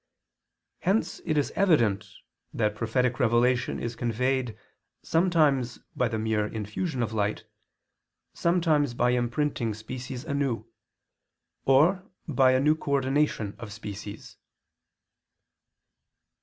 Hence it is evident that prophetic revelation is conveyed sometimes by the mere infusion of light, sometimes by imprinting species anew, or by a new coordination of species.